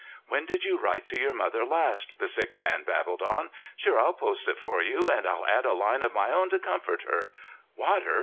"When did you write to your mother last?" the sick man babbled on. "Sure I'll post it for you, and I'll add a line of my own to comfort her—Water!